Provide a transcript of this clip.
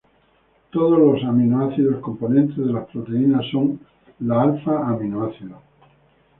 Todos los aminoácidos componentes de las proteínas son L-alfa-aminoácidos.